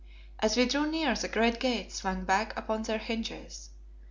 As we drew near the great gates swung back upon their hinges.